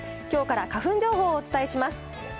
きょうから花粉情報をお伝えします。